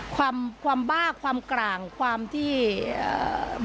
ความความบ้าความกลางความที่อ่า